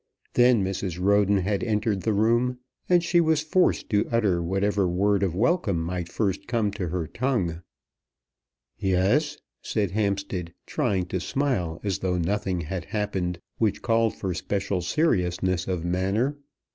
Then Mrs. Roden had entered the room, and she was forced to utter whatever word of welcome might first come to her tongue. "Yes," said Hampstead, trying to smile, as though nothing had happened which called for special seriousness of manner, "I am here.